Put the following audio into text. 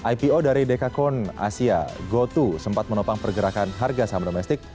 ipo dari dekakon asia gotu sempat menopang pergerakan harga saham domestik